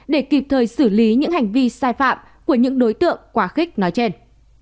để kịp thời xử lý những hành vi sai phạm của những đối tượng quá khích nói trên